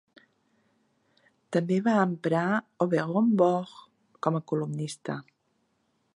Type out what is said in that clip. També va emprar Auberon Waugh com a columnista.